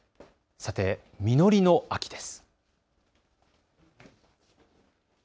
さて、実りの秋です。